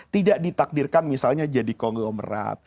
tidak ditakdirkan misalnya jadi konglomerat